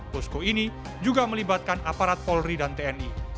posko ini juga melibatkan aparat polri dan tni